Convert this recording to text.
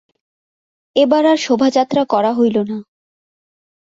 এবার আর শোভাযাত্রা করা হইল না।